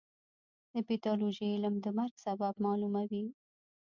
د پیتالوژي علم د مرګ سبب معلوموي.